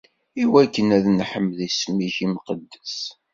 Iwakken ad neḥmed isem-ik imqeddes.